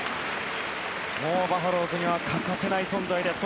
もうバファローズには欠かせない存在です